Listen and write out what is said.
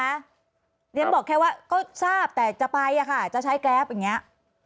เรียนบอกแค่ว่าก็ทราบแต่จะไปอะค่ะจะใช้แกรปอย่างนี้